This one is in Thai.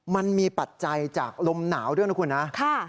มันมีปัจจัยจากลมหนาวด้วยนะครับคุณฮะค่ะ